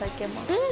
うん！